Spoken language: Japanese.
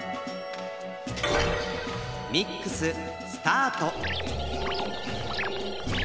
ミックススタート！